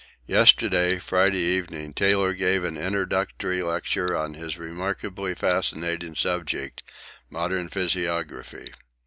Yesterday, Friday evening, Taylor gave an introductory lecture on his remarkably fascinating subject modern physiography.